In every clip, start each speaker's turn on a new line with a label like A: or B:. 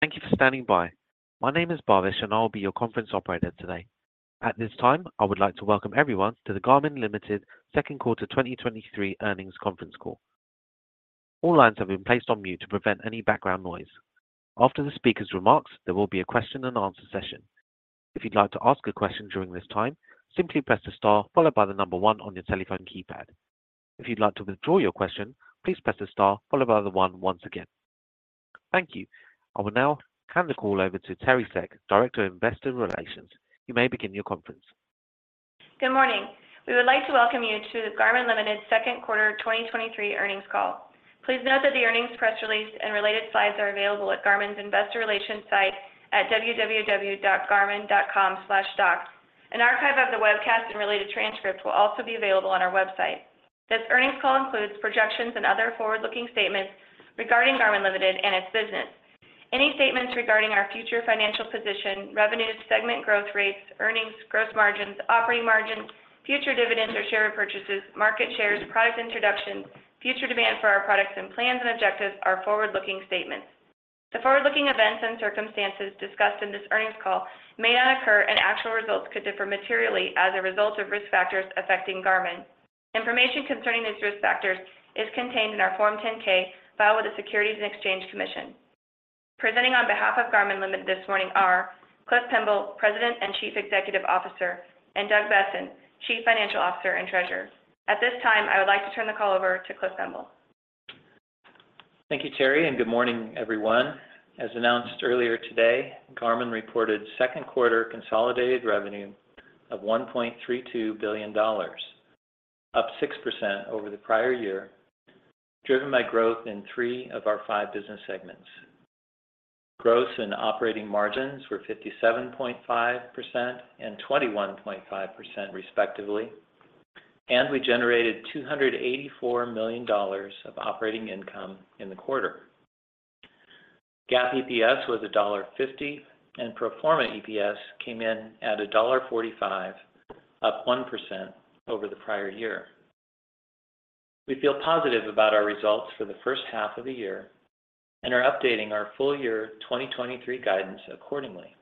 A: Thank you for standing by. My name is Bhavesh, and I will be your conference operator today. At this time, I would like to welcome everyone to the Garmin Ltd. Second Quarter 2023 Earnings Conference Call. All lines have been placed on mute to prevent any background noise. After the speaker's remarks, there will be a question and answer session. If you'd like to ask a question during this time, simply press the star followed by the one on your telephone keypad. If you'd like to withdraw your question, please press the star followed by the one once again. Thank you. I will now hand the call over to Teri Seck, Director of Investor Relations. You may begin your conference.
B: Good morning. We would like to welcome you to the Garmin Ltd. Second Quarter 2023 Earnings Call. Please note that the earnings press release and related slides are available at Garmin's Investor Relations site at www.garmin.com/docs. An archive of the webcast and related transcript will also be available on our website. This earnings call includes projections and other forward-looking statements regarding Garmin Ltd. and its business. Any statements regarding our future financial position, revenues, segment growth rates, earnings, gross margins, operating margins, future dividends or share repurchases, market shares, product introductions, future demand for our products, and plans and objectives are forward-looking statements. The forward-looking events and circumstances discussed in this earnings call may not occur, and actual results could differ materially as a result of risk factors affecting Garmin. Information concerning these risk factors is contained in our Form 10-K filed with the Securities and Exchange Commission. Presenting on behalf of Garmin Ltd. this morning are Cliff Pemble, President and Chief Executive Officer, and Doug Boessen, Chief Financial Officer and Treasurer. At this time, I would like to turn the call over to Cliff Pemble.
C: Thank you, Teri. Good morning, everyone. As announced earlier today, Garmin reported second quarter consolidated revenue of $1.32 billion, up 6% over the prior year, driven by growth in three of our five business segments. Gross and operating margins were 57.5% and 21.5%, respectively, and we generated $284 million of operating income in the quarter. GAAP EPS was $1.50, and pro forma EPS came in at $1.45, up 1% over the prior year. We feel positive about our results for the first half of the year and are updating our full year 2023 guidance accordingly.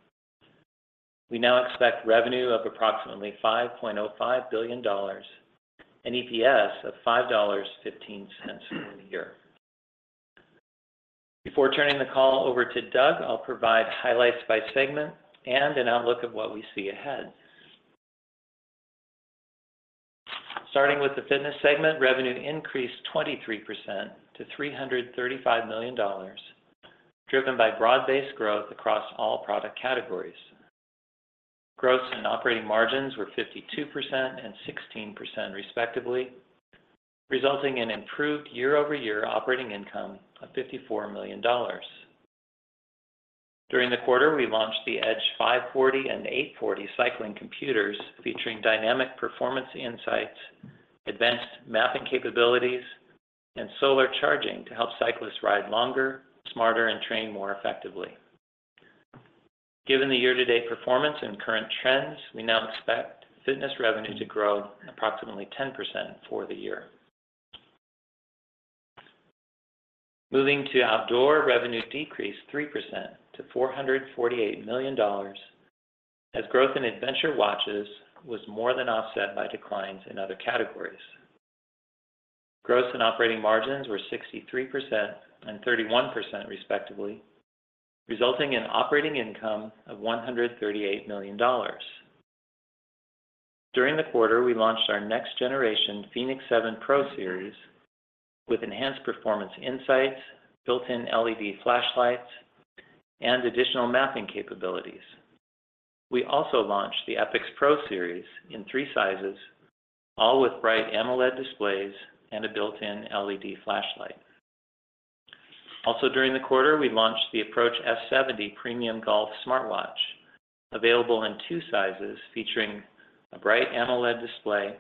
C: We now expect revenue of approximately $5.05 billion and EPS of $5.15 for the year. Before turning the call over to Doug, I'll provide highlights by segment and an outlook of what we see ahead. Starting with the Fitness segment, revenue increased 23% to $335 million, driven by broad-based growth across all product categories. Gross and operating margins were 52% and 16%, respectively, resulting in improved year-over-year operating income of $54 million. During the quarter, we launched the Edge 540 and 840 cycling computers, featuring dynamic performance insights, advanced mapping capabilities, and solar charging to help cyclists ride longer, smarter, and train more effectively. Given the year-to-date performance and current trends, we now expect Fitness revenue to grow approximately 10% for the year. Moving to Outdoor, revenue decreased 3% to $448 million, as growth in Adventure watches was more than offset by declines in other categories. Gross and operating margins were 63% and 31%, respectively, resulting in operating income of $138 million. During the quarter, we launched our next generation fēnix 7 Pro series with enhanced performance insights, built-in LED flashlights, and additional mapping capabilities. We also launched the epix Pro series in theee sizes, all with bright AMOLED displays and a built-in LED flashlight. Also, during the quarter, we launched the Approach S70 premium golf smartwatch, available in two sizes, featuring a bright AMOLED display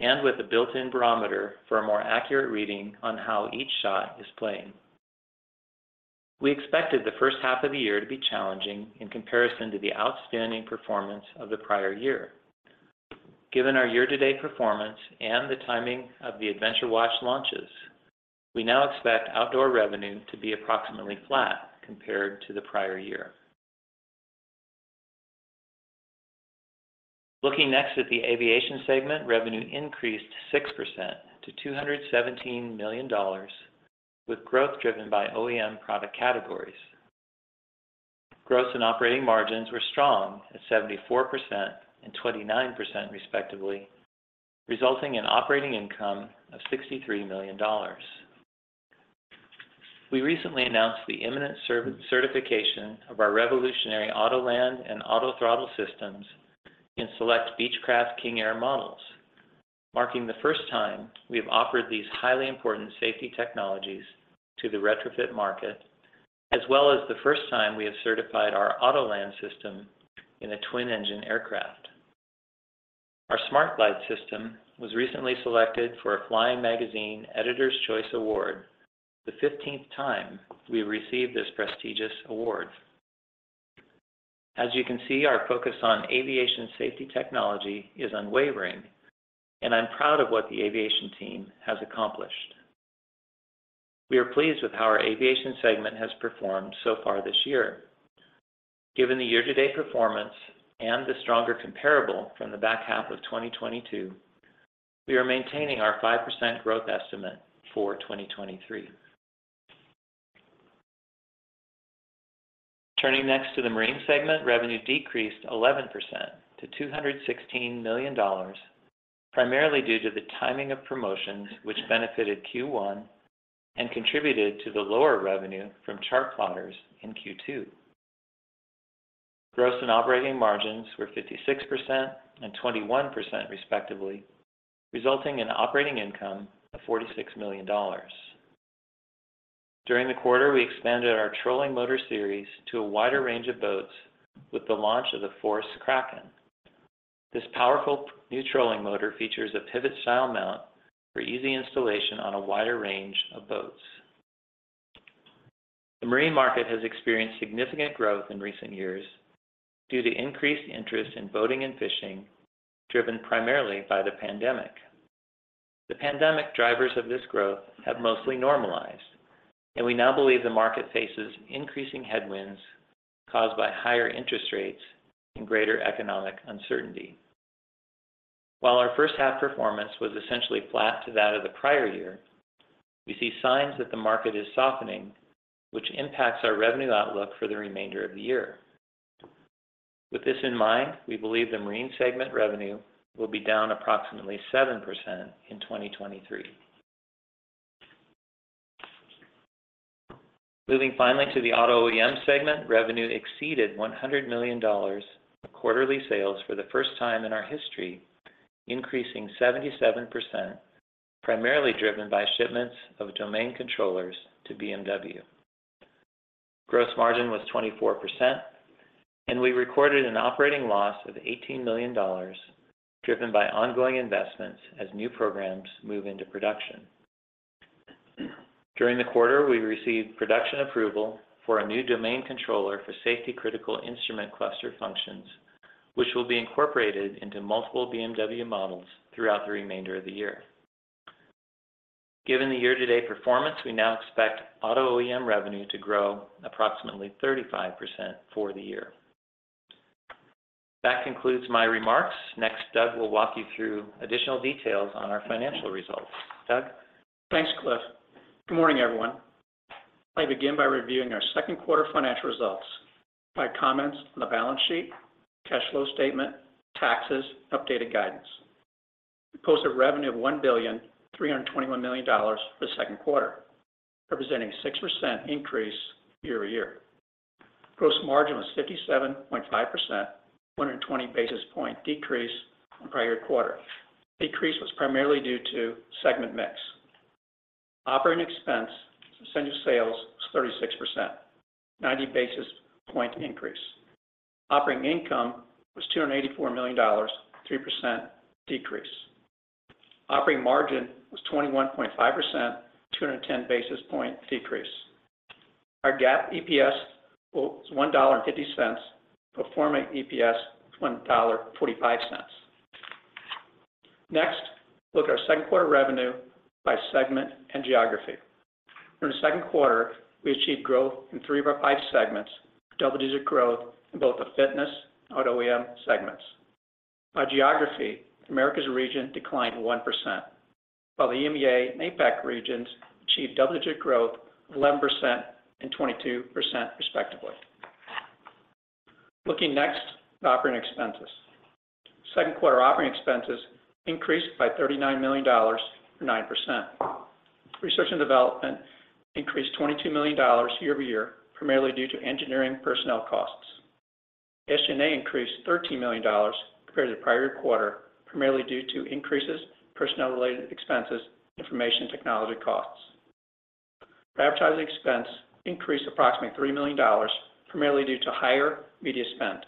C: and with a built-in barometer for a more accurate reading on how each shot is playing. We expected the first half of the year to be challenging in comparison to the outstanding performance of the prior year. Given our year-to-date performance and the timing of the Adventure watch launches, we now expect Outdoor revenue to be approximately flat compared to the prior year. Looking next at the Aviation segment, revenue increased 6% to $217 million, with growth driven by OEM product categories. Gross and operating margins were strong at 74% and 29%, respectively, resulting in operating income of $63 million. We recently announced the imminent certification of our revolutionary Autoland and Autothrottle systems in select Beechcraft King Air models, marking the first time we have offered these highly important safety technologies to the retrofit market, as well as the first time we have certified our Autoland system in a twin-engine aircraft. Our Smart Glide system was recently selected for a Flying Magazine Editors' Choice Award, the 15th time we have received this prestigious award. As you can see, our focus on aviation safety technology is unwavering, and I'm proud of what the aviation team has accomplished. We are pleased with how our aviation segment has performed so far this year. Given the year-to-date performance and the stronger comparable from the back half of 2022, we are maintaining our 5% growth estimate for 2023. Turning next to the Marine segment, revenue decreased 11% to $216 million, primarily due to the timing of promotions, which benefited Q1 and contributed to the lower revenue from chartplotters in Q2. Gross and operating margins were 56% and 21% respectively, resulting in operating income of $46 million. During the quarter, we expanded our trolling motor series to a wider range of boats with the launch of the Force Kraken. This powerful new trolling motor features a pivot-style mount for easy installation on a wider range of boats. The marine market has experienced significant growth in recent years due to increased interest in boating and fishing, driven primarily by the pandemic. The pandemic drivers of this growth have mostly normalized. We now believe the market faces increasing headwinds caused by higher interest rates and greater economic uncertainty. While our first half performance was essentially flat to that of the prior year, we see signs that the market is softening, which impacts our revenue outlook for the remainder of the year. With this in mind, we believe the marine segment revenue will be down approximately 7% in 2023. Moving finally to the Auto OEM segment, revenue exceeded $100 million of quarterly sales for the first time in our history, increasing 77%, primarily driven by shipments of domain controllers to BMW. Gross margin was 24%, and we recorded an operating loss of $18 million, driven by ongoing investments as new programs move into production. During the quarter, we received production approval for a new domain controller for safety-critical instrument cluster functions, which will be incorporated into multiple BMW models throughout the remainder of the year. Given the year-to-date performance, we now expect auto OEM revenue to grow approximately 35% for the year. That concludes my remarks. Next, Doug will walk you through additional details on our financial results. Doug?
D: Thanks, Cliff. Good morning, everyone. I begin by reviewing our second quarter financial results, my comments on the balance sheet, cash flow statement, taxes, updated guidance. We posted revenue of $1.321 billion for the second quarter, representing a 6% increase year-over-year. Gross margin was 57.5%, 120 basis point decrease from prior quarter. Decrease was primarily due to segment mix. Operating expense as a percent of sales was 36%, 90 basis point increase. Operating income was $284 million, 3% decrease. Operating margin was 21.5%, 210 basis point decrease. Our GAAP EPS was $1.50, pro forma EPS $1.45. Next, look at our second quarter revenue by segment and geography. During the second quarter, we achieved growth in three of our five segments, double-digit growth in both the Fitness and Auto OEM segments. By geography, Americas region declined 1%, while the EMEA and APAC regions achieved double-digit growth of 11% and 22% respectively. Looking next at operating expenses. Second quarter operating expenses increased by $39 million, or 9%. Research and development increased $22 million year-over-year, primarily due to engineering personnel costs. SG&A increased $13 million compared to the prior quarter, primarily due to increases in personnel-related expenses, information technology costs. Advertising expense increased approximately $3 million, primarily due to higher media spend.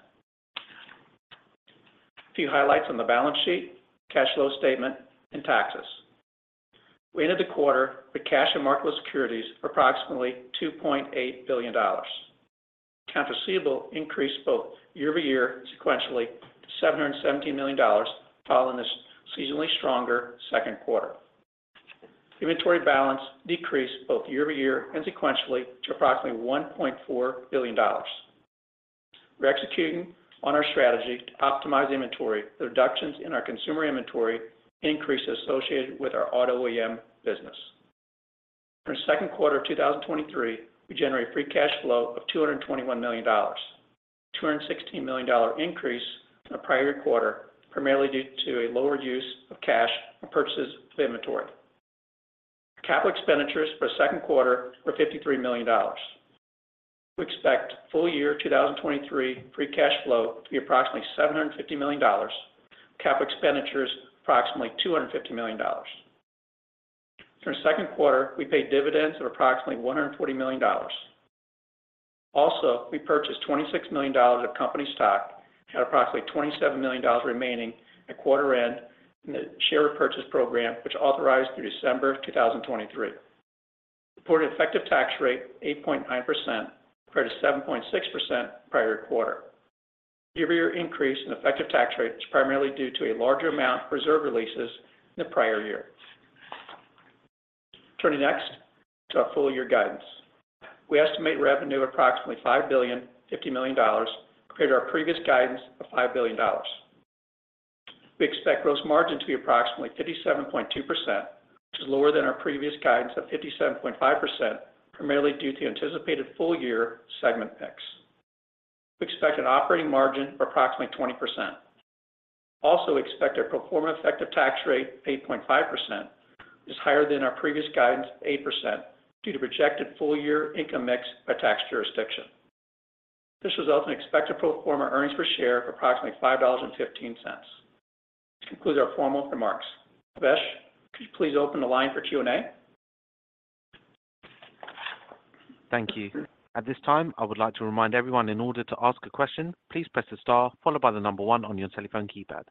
D: A few highlights on the balance sheet, cash flow statement, and taxes. We ended the quarter with cash and marketable securities of approximately $2.8 billion. Accounts receivable increased both year-over-year sequentially to $717 million, following this seasonally stronger second quarter. Inventory balance decreased both year-over-year and sequentially to approximately $1.4 billion. We're executing on our strategy to optimize inventory, the reductions in our consumer inventory increases associated with our Auto OEM business. For the second quarter of 2023, we generated free cash flow of $221 million, a $216 million increase in the prior quarter, primarily due to a lower use of cash from purchases of inventory. Capital expenditures for the second quarter were $53 million. We expect full year 2023 free cash flow to be approximately $750 million, cap expenditures approximately $250 million. For the second quarter, we paid dividends of approximately $140 million. We purchased $26 million of company stock and had approximately $27 million remaining at quarter end in the share repurchase program, which authorized through December 2023. Reported effective tax rate, 8.9%, compared to 7.6% prior quarter. Year-over-year increase in effective tax rate is primarily due to a larger amount of reserve releases in the prior year. Turning next to our full year guidance. We estimate revenue approximately $5.05 billion, compared to our previous guidance of $5 billion. We expect gross margin to be approximately 57.2%, which is lower than our previous guidance of 57.5%, primarily due to anticipated full year segment mix. We expect an operating margin of approximately 20%. Expect a pro forma effective tax rate of 8.5%, which is higher than our previous guidance of 8%, due to projected full year income mix by tax jurisdiction. This results in expected pro forma earnings per share of approximately $5.15. This concludes our formal remarks. Vesh, could you please open the line for Q&A?
A: Thank you. At this time, I would like to remind everyone in order to ask a question, please press the star followed by the one on your telephone keypad.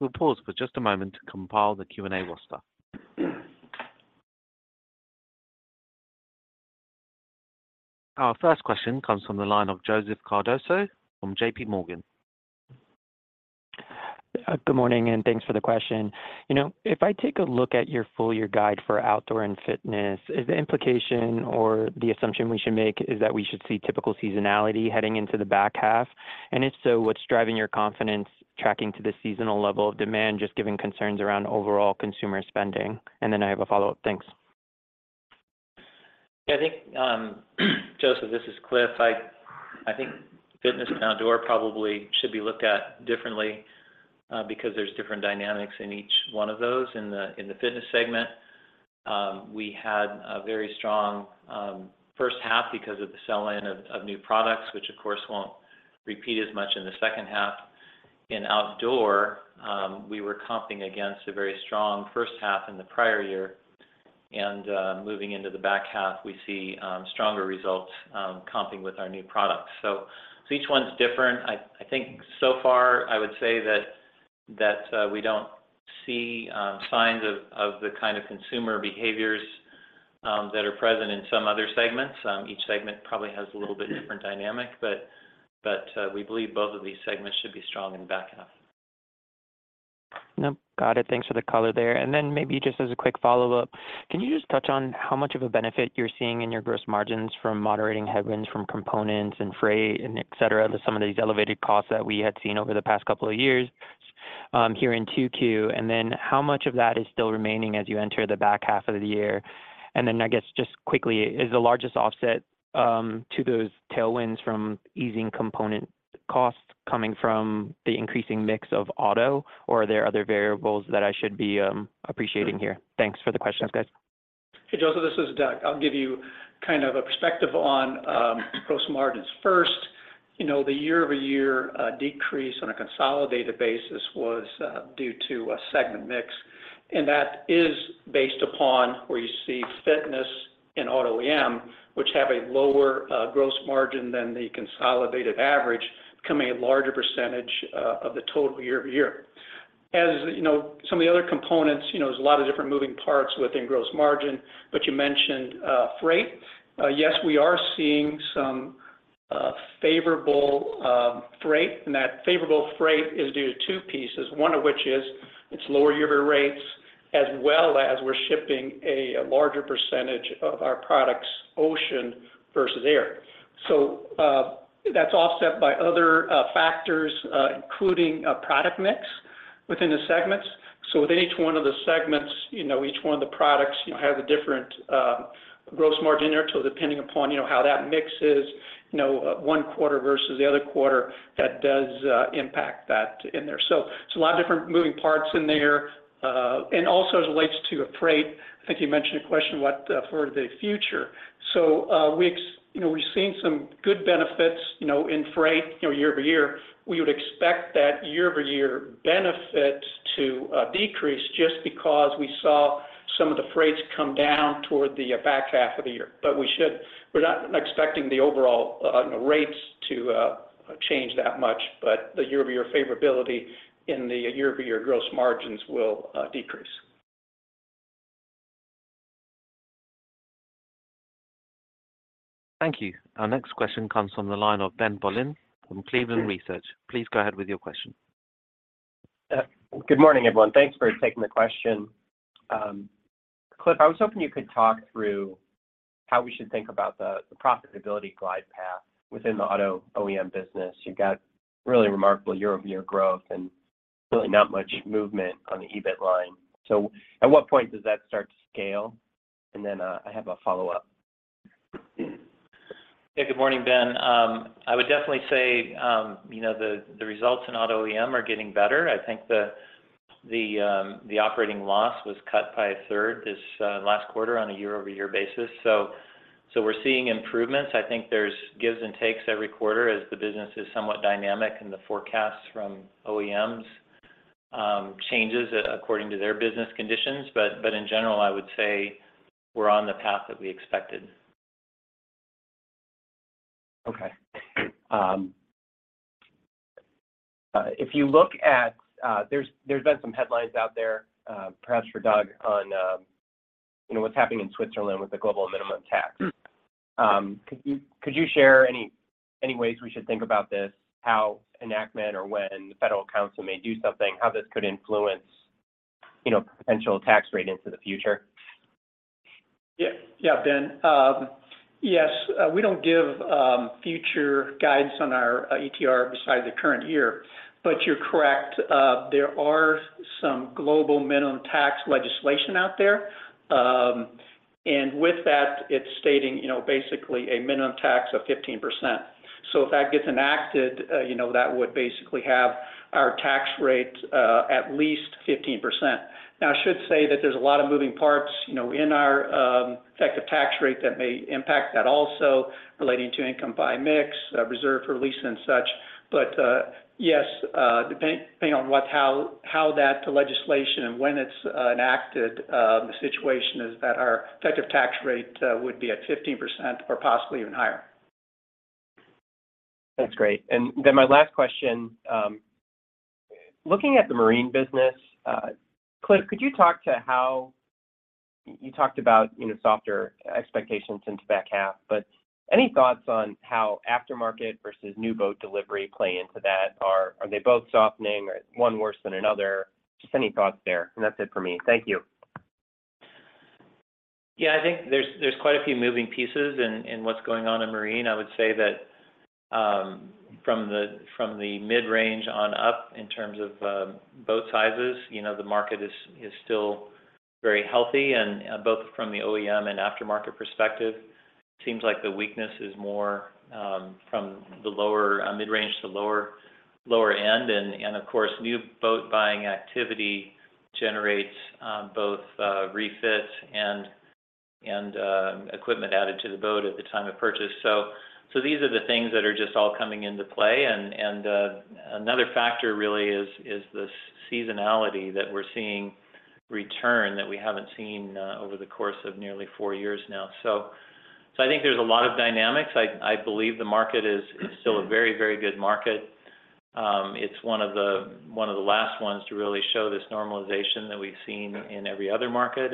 A: We'll pause for just a moment to compile the Q&A roster. Our first question comes from the line of Joseph Cardoso from JPMorgan.
E: Good morning. Thanks for the question. You know, if I take a look at your full year guide for Outdoor and Fitness, is the implication or the assumption we should make is that we should see typical seasonality heading into the back half? If so, what's driving your confidence tracking to the seasonal level of demand, just giving concerns around overall consumer spending? Then I have a follow-up. Thanks.
C: I think, Joseph, this is Cliff. I think Fitness and Outdoor probably should be looked at differently, because there's different dynamics in each one of those. In the Fitness segment, we had a very strong first half because of the sell-in of new products, which of course, won't repeat as much in the second half. In Outdoor, we were comping against a very strong first half in the prior year, and moving into the back half, we see stronger results, comping with our new products. Each one's different. I think so far, I would say that, we don't see signs of the kind of consumer behaviors, that are present in some other segments. Each segment probably has a little bit different dynamic, but, we believe both of these segments should be strong in the back half.
E: Yep. Got it. Thanks for the color there. Maybe just as a quick follow-up, can you just touch on how much of a benefit you're seeing in your gross margins from moderating headwinds, from components and freight and et cetera, to some of these elevated costs that we had seen over the past couple of years, here in 2Q? How much of that is still remaining as you enter the back half of the year? I guess, just quickly, is the largest offset to those tailwinds from easing component costs coming from the increasing mix of Auto, or are there other variables that I should be appreciating here? Thanks for the questions, guys.
D: Hey, Joseph, this is Doug. I'll give you kind of a perspective on gross margins. First, you know, the year-over-year decrease on a consolidated basis was due to a segment mix, that is based upon where you see Fitness and Auto OEM, which have a lower gross margin than the consolidated average, becoming a larger percentage of the total year-over-year. As you know, some of the other components, you know, there's a lot of different moving parts within gross margin, but you mentioned freight. Yes, we are seeing some favorable freight, and that favorable freight is due to two pieces, one of which is it's lower year over rates, as well as we're shipping a larger percentage of our products ocean versus air. That's offset by other factors, including a product mix within the segments. With each one of the segments, you know, each one of the products, you know, have a different gross margin there. Depending upon, you know, how that mixes, you know, one quarter versus the other quarter, that does impact that in there. It's a lot of different moving parts in there, and also as it relates to freight, I think you mentioned a question, what for the future. We ex—you know, we've seen some good benefits, you know, in freight, you know, year-over-year. We would expect that year-over-year benefit to decrease just because we saw some of the freights come down toward the back half of the year. We're not expecting the overall, you know, rates to change that much, but the year-over-year favorability in the year-over-year gross margins will decrease.
A: Thank you. Our next question comes from the line of Ben Bollin from Cleveland Research. Please go ahead with your question.
F: Good morning, everyone. Thanks for taking the question. Cliff, I was hoping you could talk through how we should think about the profitability glide path within the Auto OEM business. You got really remarkable year-over-year growth and really not much movement on the EBIT line. At what point does that start to scale? Then, I have a follow-up.
C: Yeah, good morning, Ben Bollin. I would definitely say, you know, the results in Auto OEM are getting better. I think the operating loss was cut by a third this last quarter on a year-over-year basis. We're seeing improvements. I think there's gives and takes every quarter as the business is somewhat dynamic, and the forecast from OEMs changes according to their business conditions. In general, I would say we're on the path that we expected.
F: Okay, if you look at—there's been some headlines out there, perhaps for Doug, on, you know, what's happening in Switzerland with the global minimum tax. Could you share any ways we should think about this, how enactment or when the Federal Council may do something, how this could influence, you know, potential tax rate into the future?
D: Yeah. Yeah, Ben. Yes, we don't give future guides on our ETR besides the current year, but you're correct. There are some global minimum tax legislation out there. And with that, it's stating, you know, basically a minimum tax of 15%. If that gets enacted, you know, that would basically have our tax rate at least 15%. Now, I should say that there's a lot of moving parts, you know, in our effective tax rate that may impact that also relating to income by mix, reserve for lease and such. Yes, depending on what—how that legislation and when it's enacted, the situation is that our effective tax rate would be at 15% or possibly even higher.
F: That's great. Then my last question, looking at the Marine business, Cliff, could you talk to how—you talked about, you know, softer expectations into back half, but any thoughts on how aftermarket versus new boat delivery play into that? Or are they both softening or one worse than another? Just any thoughts there, and that's it for me. Thank you.
C: Yeah, I think there's, there's quite a few moving pieces in what's going on in Marine. I would say that, from the mid-range on up, in terms of, boat sizes, you know, the market is still very healthy, and, both from the OEM and aftermarket perspective, seems like the weakness is more from the lower, mid-range to lower end. Of course, new boat buying activity generates, both, refit and, equipment added to the boat at the time of purchase. These are the things that are just all coming into play, and, another factor really is the seasonality that we're seeing return that we haven't seen, over the course of nearly four years now. I think there's a lot of dynamics. I believe the market is still a very, very good market. It's one of the last ones to really show this normalization that we've seen in every other market,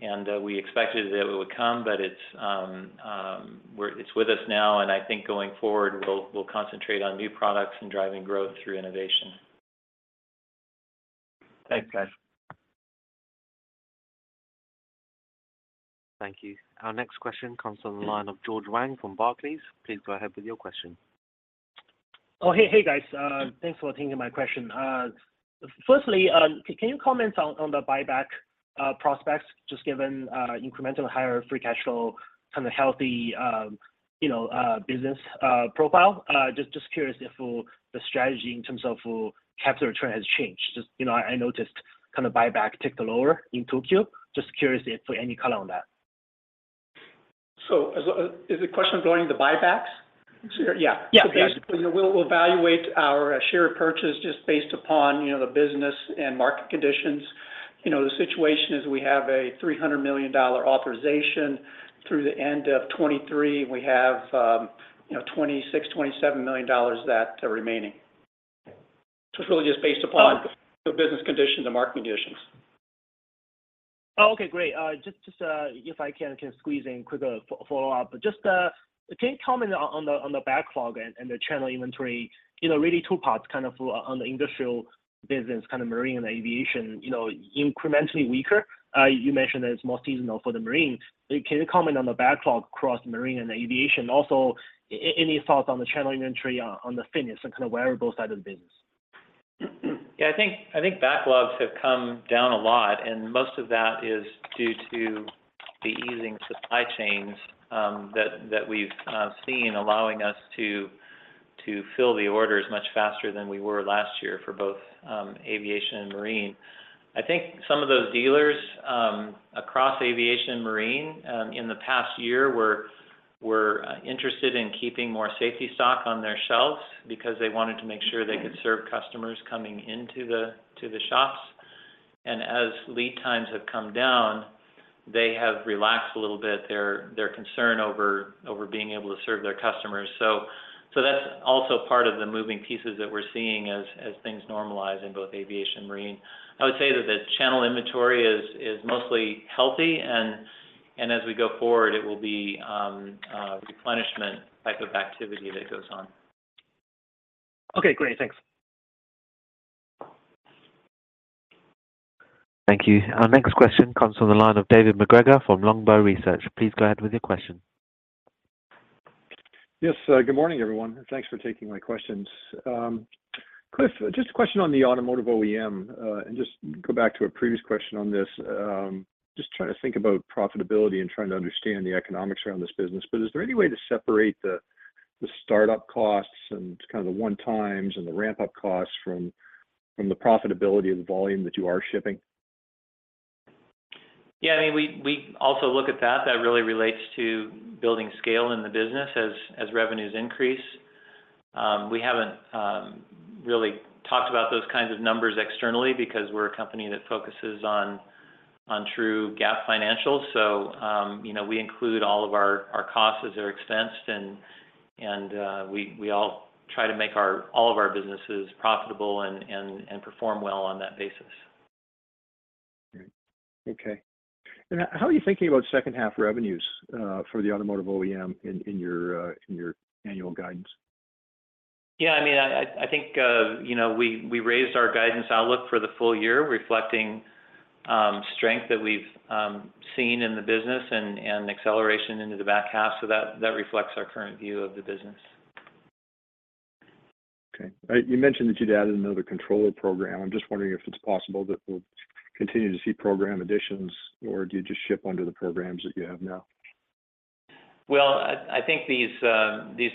C: and we expected that it would come, but it's with us now, and I think going forward, we'll concentrate on new products and driving growth through innovation.
F: Thanks, guys.
A: Thank you. Our next question comes from the line of George Wang from Barclays. Please go ahead with your question.
G: Oh, hey, hey, guys, thanks for taking my question. Firstly, can you comment on the buyback prospects, just given incremental higher free cash flow, kind of healthy, you know, business profile? Just curious if the strategy in terms of capital return has changed? Just, you know, I noticed kind of buyback ticked lower in 2Q. Just curious if any color on that?
D: As, is the question regarding the buybacks?
G: Yeah. Yeah.
D: Basically, we'll, we'll evaluate our share purchase just based upon, you know, the business and market conditions. You know, the situation is we have a $300 million authorization through the end of 2023. We have, you know, $26 million-$27 million of that remaining. It's really just based upon the business condition, the market conditions.
G: Oh, okay, great. Just, just, if I can, can squeeze in quick, follow-up. Just, can you comment on the backlog and the channel inventory? You know, really two parts, kind of, on the industrial business, kind of Marine and Aviation, you know, incrementally weaker. You mentioned that it's more seasonal for the Marine. Can you comment on the backlog across Marine and Aviation? Also, any thoughts on the channel inventory, on the Fitness and kind of wearable side of the business?
C: Yeah, I think backlogs have come down a lot, and most of that is due to the easing supply chains that we've seen, allowing us to fill the orders much faster than we were last year for both Aviation and Marine. I think some of those dealers, across Aviation and Marine, in the past year were interested in keeping more safety stock on their shelves because they wanted to make sure they could serve customers coming to the shops. As lead times have come down, they have relaxed a little bit their concern over being able to serve their customers. That's also part of the moving pieces that we're seeing as things normalize in both Aviation and Marine. I would say that the channel inventory is mostly healthy, and as we go forward, it will be replenishment type of activity that goes on.
G: Okay, great. Thanks.
A: Thank you. Our next question comes from the line of David MacGregor from Longbow Research. Please go ahead with your question.
H: Yes, good morning, everyone, and thanks for taking my questions. Cliff, just a question on the Auto OEM, and just go back to a previous question on this. Just trying to think about profitability and trying to understand the economics around this business. Is there any way to separate the startup costs and kind of the one times and the ramp-up costs from the profitability of the volume that you are shipping?
C: Yeah, I mean, we also look at that. That really relates to building scale in the business as revenues increase. We haven't really talked about those kinds of numbers externally, because we're a company that focuses on true GAAP financials. You know, we include all of our costs as they're expensed, and we all try to make all of our businesses profitable and perform well on that basis.
H: Great. Okay. How are you thinking about second half revenues for the Automotive OEM in your annual guidance?
C: Yeah, I mean, I think, you know, we raised our guidance outlook for the full year, reflecting strength that we've seen in the business and acceleration into the back half. That reflects our current view of the business.
H: Okay. You mentioned that you'd added another controller program. I'm just wondering if it's possible that we'll continue to see program additions, or do you just ship under the programs that you have now?
C: Well, I think these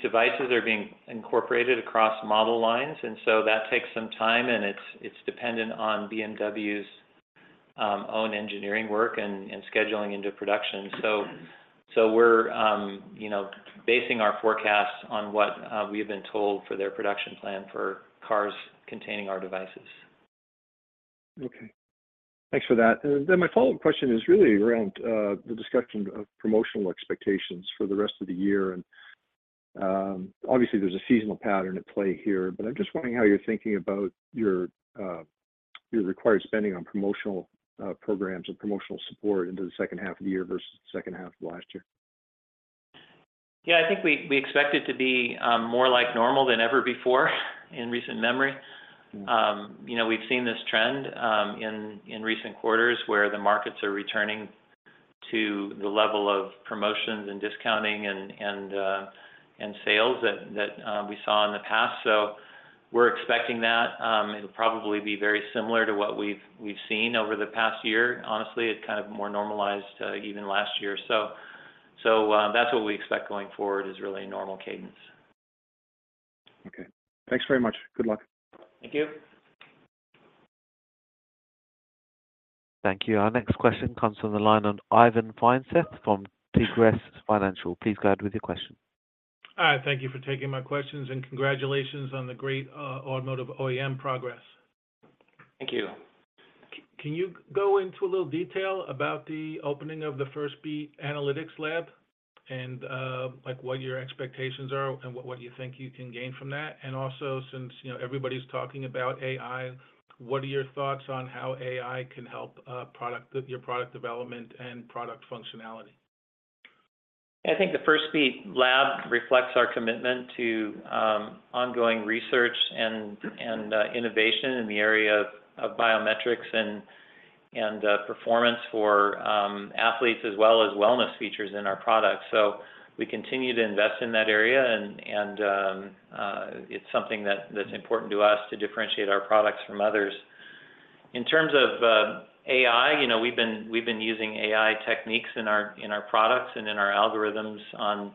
C: devices are being incorporated across model lines, and so that takes some time, and it's dependent on BMW's own engineering work and scheduling into production. So we're, you know, basing our forecasts on what we have been told for their production plan for cars containing our devices.
H: Okay. Thanks for that. My follow-up question is really around the discussion of promotional expectations for the rest of the year. Obviously, there's a seasonal pattern at play here, but I'm just wondering how you're thinking about your required spending on promotional programs or promotional support into the second half of the year versus the second half of last year.
C: I think we, we expect it to be more like normal than ever before in recent memory. You know, we've seen this trend, in, in recent quarters, where the markets are returning to the level of promotions and discounting and sales that we saw in the past. So we're expecting that. It'll probably be very similar to what we've seen over the past year. Honestly, it kind of more normalized, even last year. So, that's what we expect going forward, is really a normal cadence.
H: Okay. Thanks very much. Good luck.
C: Thank you.
A: Thank you. Our next question comes from the line of Ivan Feinseth from Tigress Financial. Please go ahead with your question.
I: Hi, thank you for taking my questions, and congratulations on the great, Automotive OEM progress.
C: Thank you.
I: Can you go into a little detail about the opening of the Firstbeat Analytics Lab and, like, what your expectations are and what you think you can gain from that? Also, since, you know, everybody's talking about AI, what are your thoughts on how AI can help product—your product development and product functionality?
C: I think the Firstbeat Lab reflects our commitment to ongoing research and innovation in the area of biometrics and performance for athletes, as well as wellness features in our products. We continue to invest in that area, and it's something that's important to us to differentiate our products from others. In terms of AI, you know, we've been using AI techniques in our products and in our algorithms on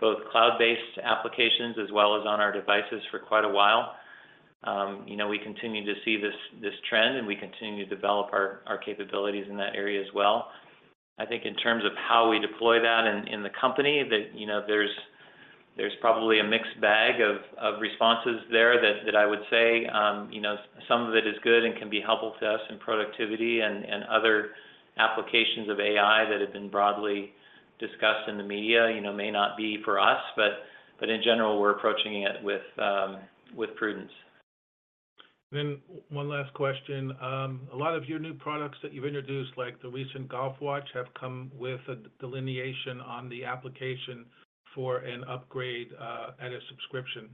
C: both cloud-based applications as well as on our devices for quite a while. You know, we continue to see this trend, and we continue to develop our capabilities in that area as well. I think in terms of how we deploy that in the company, that, you know, there's probably a mixed bag of responses there that I would say. You know, some of it is good and can be helpful to us in productivity, and other applications of AI that have been broadly discussed in the media, you know, may not be for us, but in general, we're approaching it with prudence.
I: One last question: A lot of your new products that you've introduced, like the recent golf watch, have come with a delineation on the application for an upgrade and a subscription.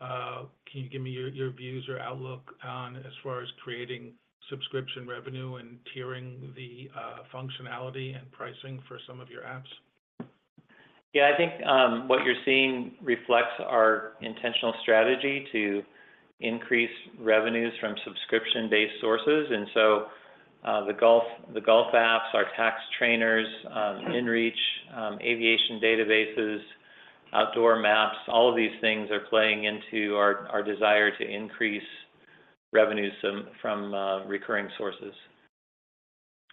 I: Can you give me your views or outlook as far as creating subscription revenue and tiering the functionality and pricing for some of your apps?
C: Yeah, I think, what you're seeing reflects our intentional strategy to increase revenues from subscription-based sources. So, the Golf apps, our Tacx trainers, inReach, aviation databases, outdoor maps, all of these things are playing into our desire to increase revenues from recurring sources.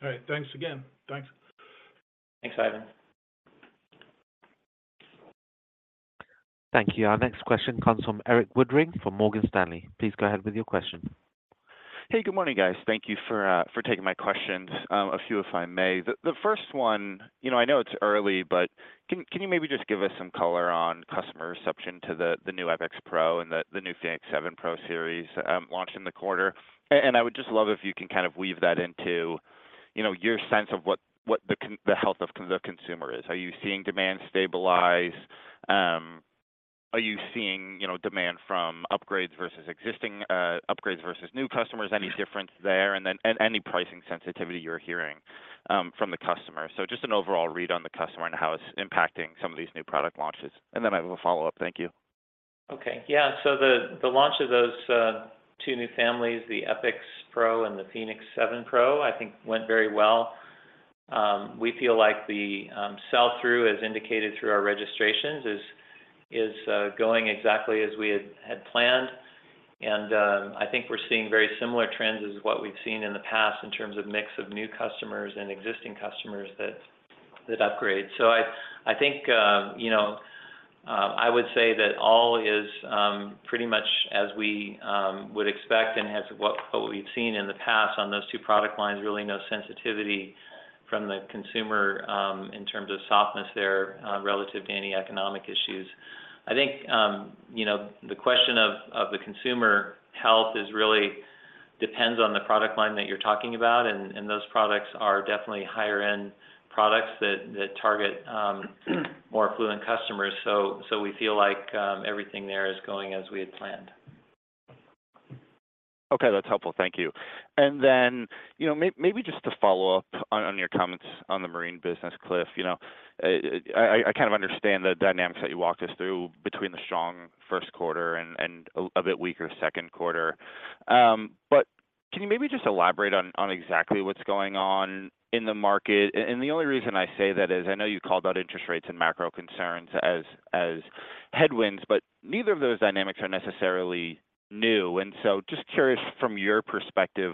I: All right. Thanks again. Thanks.
C: Thanks, Ivan.
A: Thank you. Our next question comes from Erik Woodring from Morgan Stanley. Please go ahead with your question.
J: Hey, good morning, guys. Thank you for taking my questions, a few, if I may. The first one, you know, I know it's early, but can you maybe just give us some color on customer reception to the new epix Pro and the new fēnix 7 Pro series, launched in the quarter? I would just love if you can kind of weave that into, you know, your sense of what the con—the consumer is. Are you seeing demand stabilize? Are you seeing, you know, demand from upgrades versus existing, upgrades versus new customers? Any difference there, and then, any pricing sensitivity you're hearing from the customer? Just an overall read on the customer and how it's impacting some of these new product launches. Then I have a follow-up. Thank you.
C: Okay. Yeah. So the launch of those two new families, the epix Pro and the fēnix 7 Pro, I think went very well. We feel like the sell-through, as indicated through our registrations, is going exactly as we had planned. I think we're seeing very similar trends as what we've seen in the past in terms of mix of new customers and existing customers that upgrade. So I think, you know, I would say that all is pretty much as we would expect and what we've seen in the past on those two product lines, really no sensitivity from the consumer in terms of softness there, relative to any economic issues. I think, you know, the question of the consumer health is really depends on the product line that you're talking about, and those products are definitely higher end products that target more affluent customers. We feel like everything there is going as we had planned.
J: Okay, that's helpful. Thank you. Then, you know, maybe just to follow up on your comments on the Marine business, Cliff. You know, I kind of understand the dynamics that you walked us through between the strong first quarter and a bit weaker second quarter. But can you maybe just elaborate on exactly what's going on in the market? The only reason I say that is I know you called out interest rates and macro concerns as headwinds, but neither of those dynamics are necessarily new. So just curious from your perspective,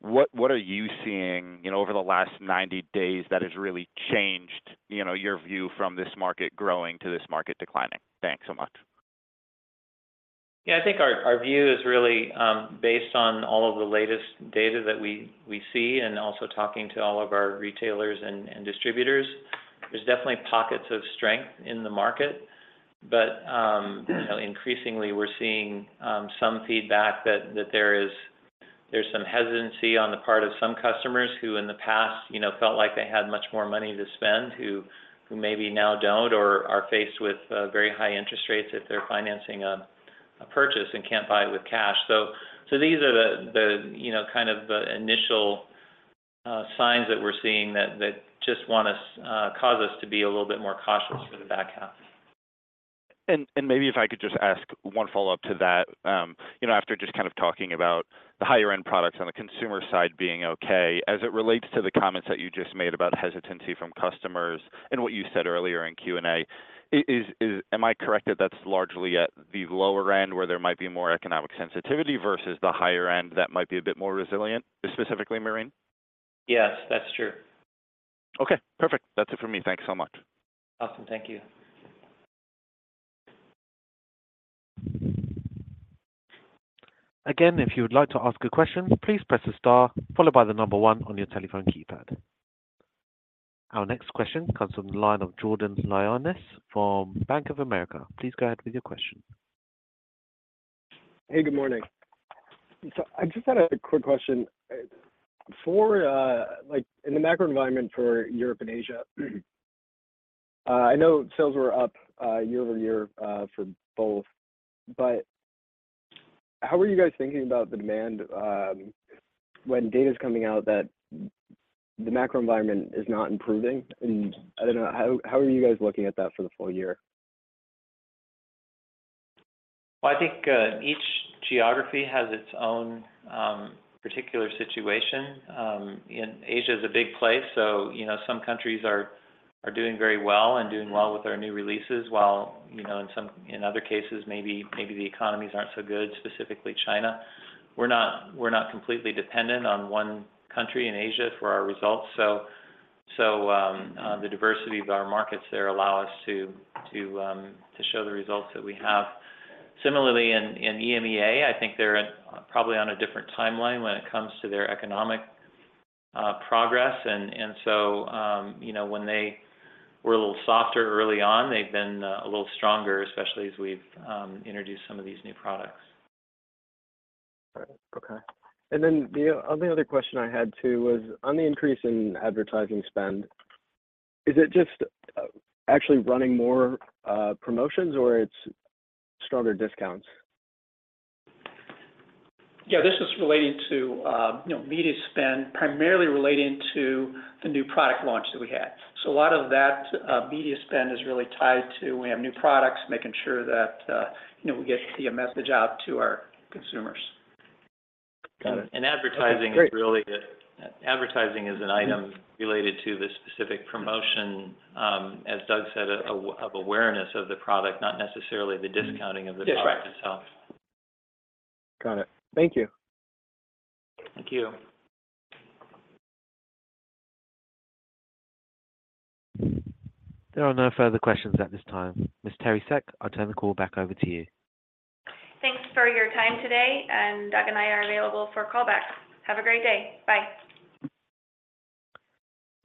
J: what are you seeing, you know, over the last 90 days that has really changed, you know, your view from this market growing to this market declining? Thanks so much.
C: Yeah, I think our view is really based on all of the latest data that we see, and also talking to all of our retailers and, and distributors. There's definitely pockets of strength in the market. You know, increasingly we're seeing some feedback that there's some hesitancy on the part of some customers who in the past, you know, felt like they had much more money to spend, who maybe now don't or are faced with very high interest rates if they're financing a purchase and can't buy it with cash. These are the, you know, kind of the initial signs that we're seeing that just cause us to be a little bit more cautious for the back half.
J: Maybe if I could just ask one follow-up to that. You know, after just kind of talking about the higher end products on the consumer side being okay, as it relates to the comments that you just made about hesitancy from customers and what you said earlier in Q&A, is—am I correct that that's largely at the lower end, where there might be more economic sensitivity versus the higher end that might be a bit more resilient, specifically marine?
C: Yes, that's true.
J: Okay, perfect. That's it for me. Thank you so much.
C: Awesome. Thank you.
A: Again, if you would like to ask a question, please press star followed by the number one on your telephone keypad. Our next question comes from the line of Jordan Lyonnais from Bank of America. Please go ahead with your question.
K: Hey, good morning. I just had a quick question. For—like in the macro environment for Europe and Asia, I know sales were up year-over-year for both, but how are you guys thinking about the demand when data is coming out that the macro environment is not improving? I don't know how are you guys looking at that for the full year?
C: Well, I think, each geography has its own particular situation. Asia is a big place, so, you know, some countries are are doing very well and doing well with our new releases, while, you know, in other cases, maybe the economies aren't so good, specifically China. We're not completely dependent on one country in Asia for our results, so, the diversity of our markets there allow us to show the results that we have. Similarly, in EMEA, I think they're probably on a different timeline when it comes to their economic, progress. So, you know, when they were a little softer early on, they've been a little stronger, especially as we've introduced some of these new products.
K: All right. Okay. The other question I had, too, was on the increase in advertising spend. Is it just actually running more promotions or it's stronger discounts?
D: Yeah, this is relating to, you know, media spend, primarily relating to the new product launch that we had. A lot of that, media spend is really tied to we have new products, making sure that, you know, we get to get the message out to our consumers.
K: Got it.
C: Advertising.
K: Great
C: Advertising is really—advertising is an item related to the specific promotion, as Doug said, of awareness of the product, not necessarily the discounting of the product itself.
K: Got it. Thank you.
C: Thank you.
A: There are no further questions at this time. Ms. Teri Seck, I'll turn the call back over to you.
B: Thanks for your time today. Doug and I are available for call back. Have a great day. Bye.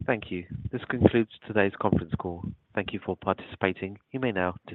A: Thank you. This concludes today's conference call. Thank you for participating. You may now disconnect.